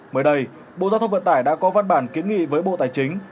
mới đây bộ giao thông vận tải đã có văn bản kiến nghị với bộ tài chính